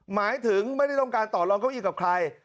หมายถึงไม่ได้ต้องการต่อรองเก้าอี้กับใคร